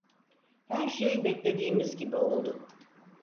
Her şey beklediğimiz gibi oldu.